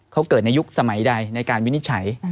เขาเกิดในยุคสมัยใดในการวินิจฉัย